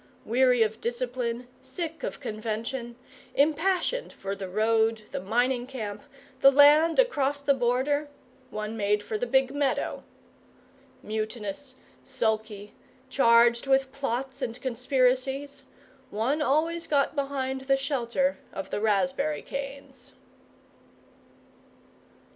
Weary of discipline, sick of convention, impassioned for the road, the mining camp, the land across the border, one made for the big meadow. Mutinous, sulky, charged with plots and conspiracies, one always got behind the shelter of the raspberry canes.